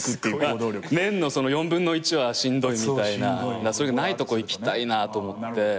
年の４分の１はしんどいみたいなそれがないとこ行きたいと思って。